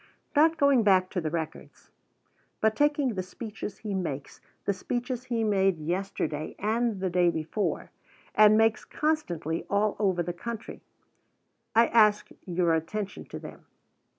Not going back to the records, but taking the speeches he makes, the speeches he made yesterday and day before, and makes constantly all over the country, I ask your attention to them.